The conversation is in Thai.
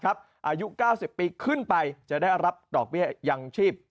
อายุ๙๐ปีขึ้นไปจะได้รับดอกเบี้ยยังชีพ